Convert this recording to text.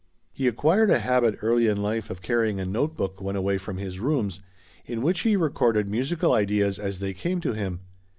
He acquired a habit early in life of carrying a note book when away from his rooms, in which he recorded musical ideas as they came to him.